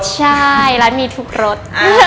ใช่ร้านมีทุกรส